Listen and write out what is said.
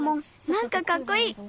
なんかかっこいい。